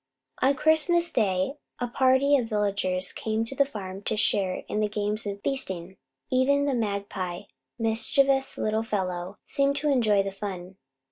On Christmas Day a party of the villagers came to the farm to share in the games and feasting. Even the magpie, mischievous little fellow, seemed to enjoy the fun.